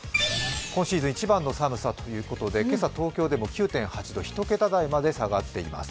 今シーズン一番の寒さということで、今朝、東京でも９．８度、１桁台まで下がっています。